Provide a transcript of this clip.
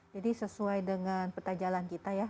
jadi sesuai dengan petajalan kita ya